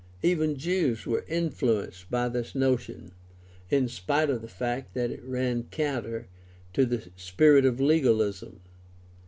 Even Jews were influenced by this notion, in spite of the fact that it ran counter to the spirit of legalism.